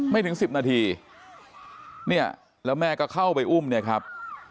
ถึง๑๐นาทีเนี่ยแล้วแม่ก็เข้าไปอุ้มเนี่ยครับ